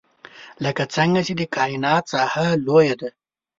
لکه څنګه چې د کاینات ساحه لوی ده.